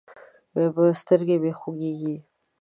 سترګې مې خوږېږي.